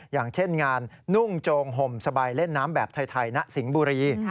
อย่างเช่นงานนุ่งโจงห่มสบายเล่นน้ำแบบไทยณสิงห์บุรี